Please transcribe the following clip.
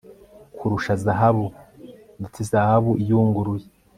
kurusha zahabu, ndetse zahabu iyunguruye